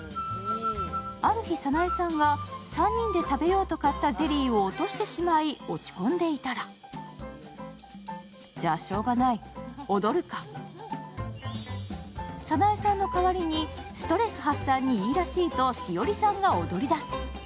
ある日、沙苗さんが３人で食べようと買ったゼリーを落としてしまい落ち込んでいたら沙苗さんの代わりにストレス発散にいいらしいと栞さんが踊り出す。